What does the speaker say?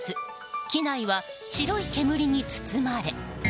機内は白い煙に包まれ。